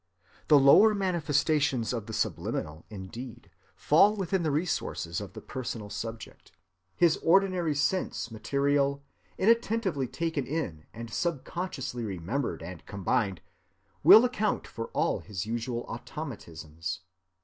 The lower manifestations of the Subliminal, indeed, fall within the resources of the personal subject: his ordinary sense‐material, inattentively taken in and subconsciously remembered and combined, will account for all his usual automatisms.